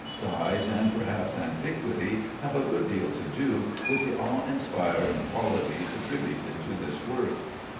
Size, and perhaps antiquity, have a good deal to do with the awe inspiring qualities attributed to this work.